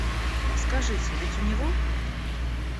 Скажите, ведь у него?